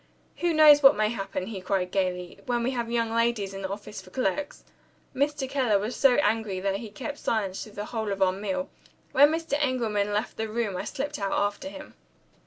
"Who knows what may happen," he cried gaily, "when we have young ladies in the office for clerks?" Mr. Keller was so angry that he kept silence through the whole of our meal. When Mr. Engelman left the room I slipped out after him.